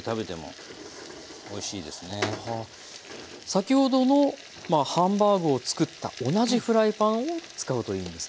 先ほどのハンバーグを作った同じフライパンを使うといいんですね。